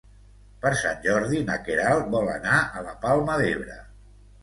Per Sant Jordi na Queralt vol anar a la Palma d'Ebre.